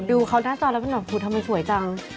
ดูเขาหน้าจอแล้วมันแบบทำไมสวยจัง